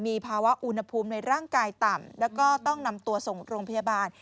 มีภาวะอุณหภูมิในร่างกายต่ำแล้วก็ต้องนำตัวส่งโรงพยาบาล